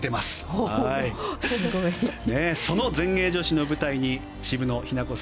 その全英女子の舞台に渋野日向子。